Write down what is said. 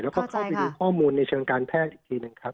แล้วก็เข้าไปดูข้อมูลในเชิงการแพทย์อีกทีหนึ่งครับ